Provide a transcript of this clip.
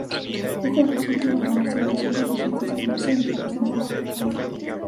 Estas dos últimas grabaciones, son producidas y comercializadas en forma personal.